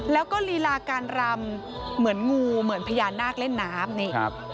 แล้วก็ลีลาการรำเหมือนงูเหมือนพญานาคเล่นน้ำนี่ครับ